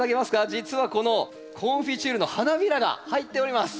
実はこのコンフィチュールの花びらが入っております。